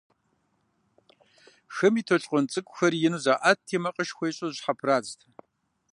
Хым и толъкъун щӀыхухэр ину заӀэтти макъышхуэ ищӀу зыщхьэпрадзт.